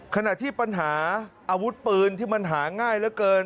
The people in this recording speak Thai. ขณะที่ปัญหาอาวุธปืนที่มันหาง่ายเหลือเกิน